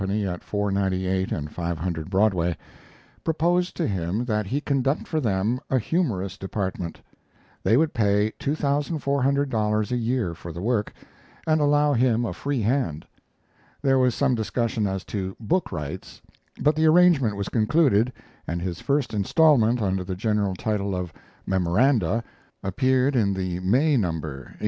at 498 and 500 Broadway] proposed to him that he conduct for them a humorous department. They would pay $2,400 a year for the work, and allow him a free hand. There was some discussion as to book rights, but the arrangement was concluded, and his first instalment, under the general title of "Memoranda," appeared in the May number, 1870.